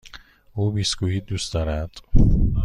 او بیسکوییت دوست دارد.